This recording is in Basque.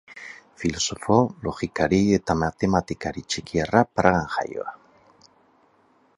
Filosofo, logikari eta matematikari txekiarra, Pragan jaioa.